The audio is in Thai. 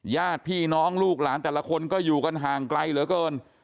ญาติพี่น้องลูกหลานแต่ละคนก็อยู่กันห่างไกลเหลือเกิน